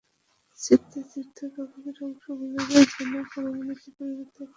ছিঁড়িতে ছিঁড়িতে কাগজের অংশগুলিকে যেন পরমাণুতে পরিণত করিবার জন্য তাহার রোখ চড়িয়া যাইতেছিল।